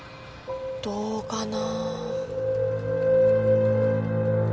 どうかな？